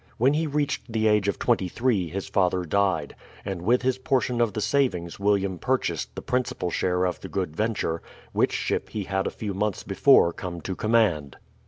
When he reached the age of twenty three his father died, and with his portion of the savings William purchased the principal share of the Good Venture, which ship he had a few months before come to command.